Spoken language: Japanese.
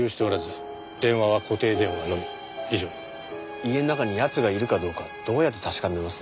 家の中に奴がいるかどうかどうやって確かめます？